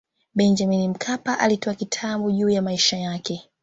Benjamin Mkapa alitoa kitabu juu ya maisha yake